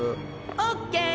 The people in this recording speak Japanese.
オッケー！